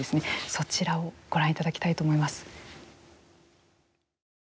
そちらをご覧いただきたいと思います。